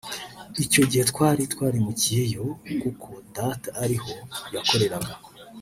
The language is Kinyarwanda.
icyo gihe twari twarimukiyeyo kuko data ariho yakoreraga